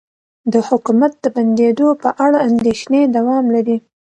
د حکومت د بندیدو په اړه اندیښنې دوام لري